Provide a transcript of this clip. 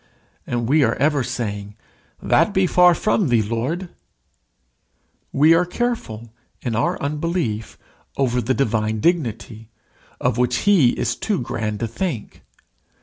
And we are ever saying, "That be far from thee, Lord!" We are careful, in our unbelief, over the divine dignity, of which he is too grand to think.